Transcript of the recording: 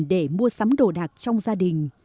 để mua sắm đồ đạc trong gia đình